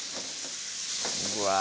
うわ